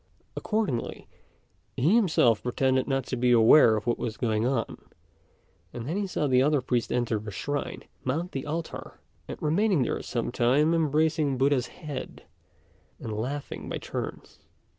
Accordingly, he himself pretended not to be aware of what was going on; and then he saw the other priest enter the shrine, mount the altar, and remain there some time embracing Buddha's head, and laughing by turns.